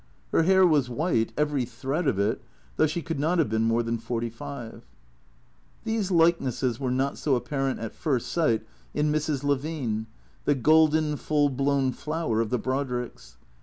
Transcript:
Her hair was white, every thread of it, though she could not have been more than forty five. These likenesses were not so apparent at first sight in Mrs. Levine, the golden, full blown flower of the Brodricks.